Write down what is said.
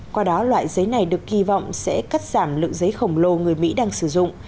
qua đó loại giấy này được kỳ vọng sẽ cắt giảm lượng giấy khổng lồ người mỹ đang sử dụng